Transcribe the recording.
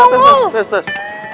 eh terus terus terus